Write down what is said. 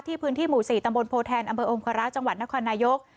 พื้นที่หมู่๔ตำบลโพแทนอำเภอองคาระจังหวัดนครนายก